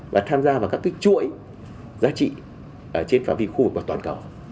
và tham gia vào các chuỗi giá trị trên phạm vi khu vực và toàn cầu